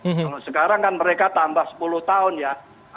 kalau sekarang kan mereka tambah sepuluh tahun ya